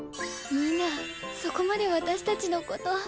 ミナそこまで私たちのこと。